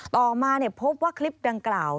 ต่อมาพบว่าคลิปดังกล่าว